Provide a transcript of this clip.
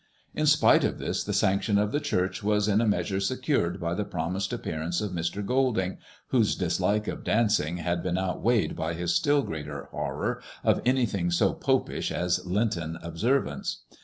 In spite of this, the sanction of the Church was in a measure secured by the promised appearance of Mr. Golding, whose dishke of dancing had been out weighed by his still greater horror of anything so Popish as Lenten observance.